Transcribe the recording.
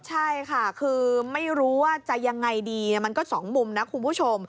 ใช่ค่ะคือไม่รู้ว่าจะยังไงดีมันก็๒มุมนะคุณผู้ชม